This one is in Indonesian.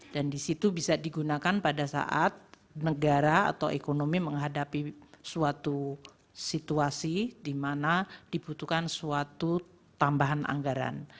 di situ bisa digunakan pada saat negara atau ekonomi menghadapi suatu situasi di mana dibutuhkan suatu tambahan anggaran